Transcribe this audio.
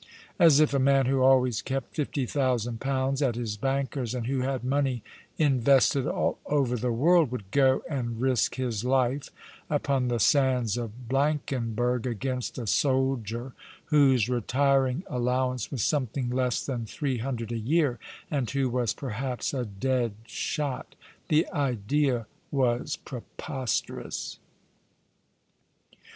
As if a man who always kept fifty thousand pounds at his bankers, and who had money invested all over the world, would go and risk his life upon the sands of Blankenburgh against a Boldier whose retiring allowance was something less than ^* Say the False Charge was Truer 179 three hundred a year, and who was perhaps a dead shot. The idea was preposterous